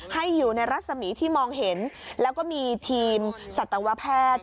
ให้อยู่ในรัศมีที่มองเห็นแล้วก็มีทีมสัตวแพทย์